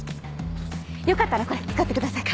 よかったらこれ使ってください。